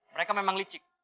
mereka memang licik